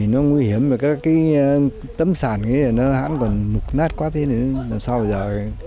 nó nguy hiểm tấm sản nó hãng còn mục nát quá thế nên làm sao bây giờ